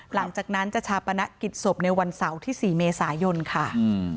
หลังจากนั้นจะชาปนกิจศพในวันเสาร์ที่๔เมษายนค่ะ